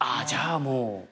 じゃあもう。